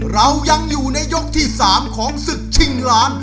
เรายังอยู่ในยกที่๓ของศึกชิงล้าน